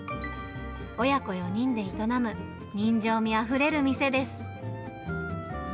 親子４人で営む人情味あふれる店です。